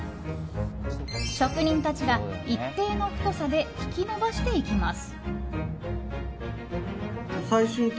職人たちが一定の太さで引き延ばしていきます。